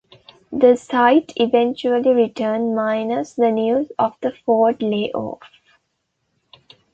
The site eventually returned minus the news of the Ford layoffs.